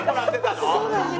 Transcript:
そうなんです。